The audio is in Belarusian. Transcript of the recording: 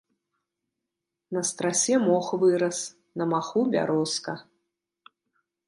На страсе мох вырас, на маху бярозка.